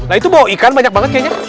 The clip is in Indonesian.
nah itu bau ikan banyak banget kayaknya